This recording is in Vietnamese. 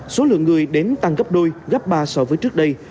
số lượng người đến tăng gấp đôi gấp ba so với trước đây